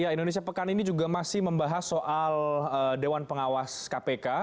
indonesia pekan ini juga masih membahas soal dewan pengawas kpk